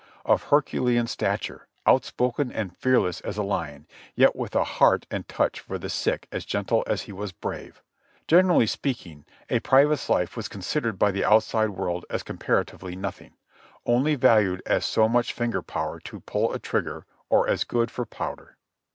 Of Her culean stature, outspoken and fearless as a lion, yet with a heart and touch for the sick as gentle as he was brave. Generally speaking a private's life was considered by the outside world as comparatively nothing ; only valued as so much finger power to pull a trigger or as good for powder.